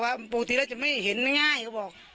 ละลายก็ว่าปกติแล้วจะไม่เห็นง่ายก็บอก